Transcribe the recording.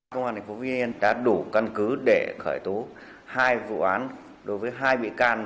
công an tp vinh đã đủ căn cứ để khởi tố hai vụ án đối với hai bị can